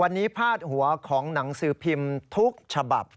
วันนี้พาดหัวของหนังสือพิมพ์ทุกฉบับ